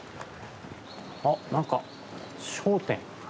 あっなんか商店。